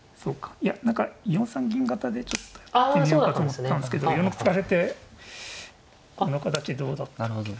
いや何か４三銀型でちょっとやってみようかと思ったんですけど４六歩突かれてこの形どうだったっけって。